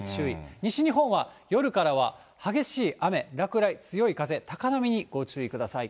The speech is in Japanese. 西日本は夜からは、激しい雨、落雷、強い風、高波にご注意ください。